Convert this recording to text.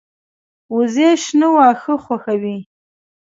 وزې شنه واښه خوښوي